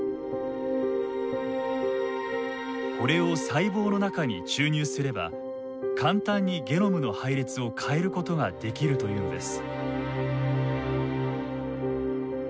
これを細胞の中に注入すれば簡単にゲノムの配列を変えることができるというのです。